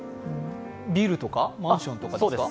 ビルとかマンションとかですか？